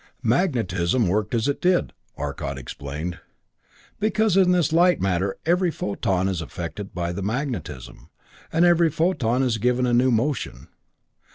"Magnetism worked as it did," Arcot explained, "because in this light matter every photon is affected by the magnetism, and every photon is given a new motion.